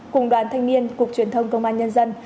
cùng đoàn thanh niên cục truyền thông công an nhân dân